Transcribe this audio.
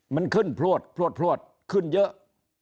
มันขึ้นพลวดพลวดขึ้นเยอะ